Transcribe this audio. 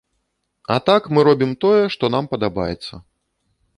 А так, мы робім тое, што нам падабаецца.